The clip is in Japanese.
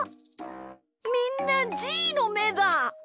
みんなじーのめだ！